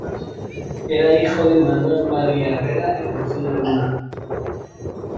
Era hijo de Manuel María Herrera y Delfina Luna.